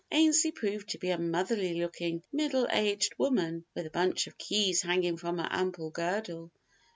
Ainslee proved to be a motherly looking, middle aged woman with a bunch of keys hanging from her ample girdle.